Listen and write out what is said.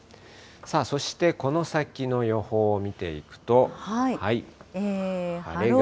そしてこの先の予報を見ていくと。